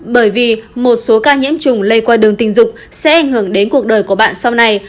bởi vì một số ca nhiễm trùng lây qua đường tình dục sẽ ảnh hưởng đến cuộc đời của bạn sau này